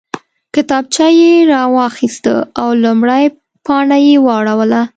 کتابچه یې راواخیسته او لومړۍ پاڼه یې واړوله